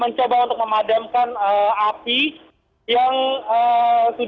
yang sudah berlangsung ke gedung kejaksaan agung republik indonesia